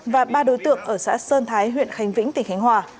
và ba đối tượng ở xã sơn thái huyện khánh vĩnh tỉnh khánh hòa